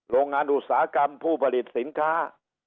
โรงงานอุตสาหกรรมผู้ผลิตสินค้า